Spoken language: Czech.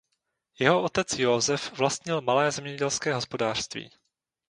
Jeho otec Józef vlastnil malé zemědělské hospodářství.